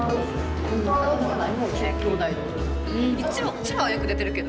うちらはよく出てるけど。